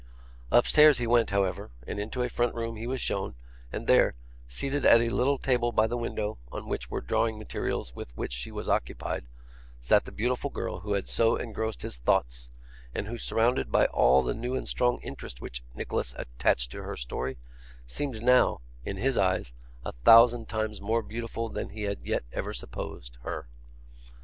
Upstairs he went, however, and into a front room he was shown, and there, seated at a little table by the window, on which were drawing materials with which she was occupied, sat the beautiful girl who had so engrossed his thoughts, and who, surrounded by all the new and strong interest which Nicholas attached to her story, seemed now, in his eyes, a thousand times more beautiful than he had ever yet supposed her.